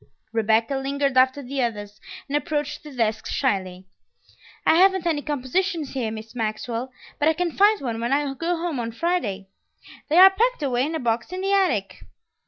Rebecca lingered after the others, and approached the desk shyly. "I haven't any compositions here, Miss Maxwell, but I can find one when I go home on Friday. They are packed away in a box in the attic."